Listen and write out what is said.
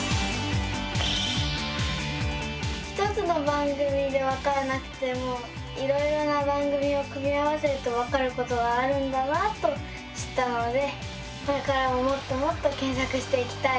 １つの番組でわからなくてもいろいろな番組を組み合わせるとわかることがあるんだなと知ったのでこれからももっともっと検索していきたいです。